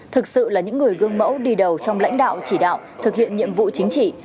thực sự là những người gương mẫu đi đầu trong lãnh đạo chỉ đạo thực hiện nhiệm vụ chính trị